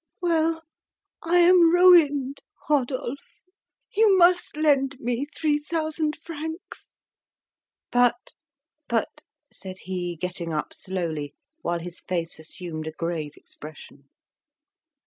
"Well, I am ruined, Rodolphe! You must lend me three thousand francs." "But but " said he, getting up slowly, while his face assumed a grave expression.